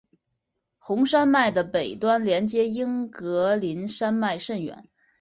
红山脉的北端连接英格林山脉甚远。